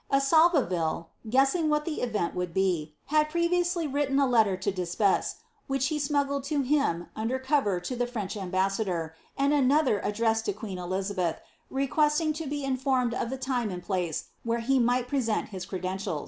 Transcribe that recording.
* Assolveville, guessing what the event would be, had previously writ ten a letter to D'Espes, which he smuggled to him under cover to the French ambassador, and another addressed to queen Elizabeth, request iog to be informed of the time and place, where lie might present his * Dep^chn de la Mothe Fenehn.